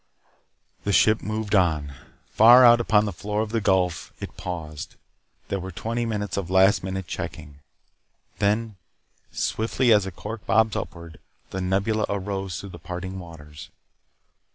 The ship moved on. Far out upon the floor of the Gulf, it paused. There were twenty minutes of last minute checking. Then, swiftly, as a cork bobs upward, the Nebula arose through the parting waters.